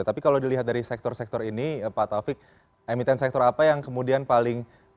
tapi kalau dilihat dari sektor sektor ini pak taufik emiten sektor apa yang kemudian paling